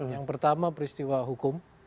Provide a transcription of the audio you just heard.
yang pertama peristiwa hukum